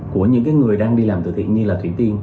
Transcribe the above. của những người đang đi làm từ thiện như là thủy tiên